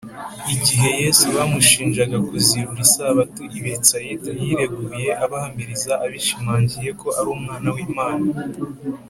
igihe yesu bamushinjaga kuzirura isabato i betsayida, yireguye abahamiriza abishimangiye ko ari umwana w’imana